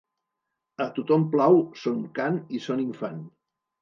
A tothom plau son cant i son infant.